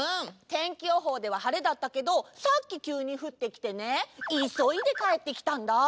てんきよほうでははれだったけどさっききゅうにふってきてねいそいでかえってきたんだ。